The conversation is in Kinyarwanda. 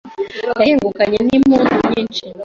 Yahingukanye n'impundu nyinshi